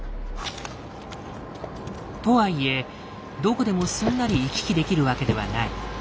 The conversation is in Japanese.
とはいえどこでもすんなり行き来できるわけではない。